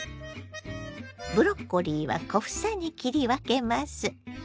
ブロッコリーは小房に切り分けます。